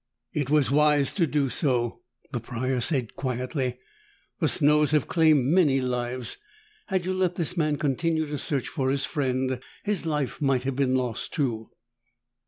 "It was wise to do so," the Prior said quietly. "The snows have claimed many lives. Had you let this man continue to search for his friend, his life might have been lost, too."